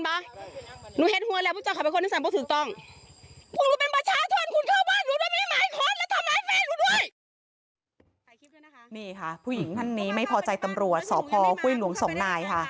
นี่ค่ะผู้หญิงท่านนี้ไม่พอใจตำรวจสพห้วยหลวงสองนายค่ะ